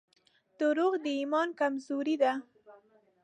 • دروغ د ایمان کمزوري ده.